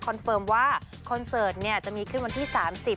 เฟิร์มว่าคอนเสิร์ตจะมีขึ้นวันที่๓๐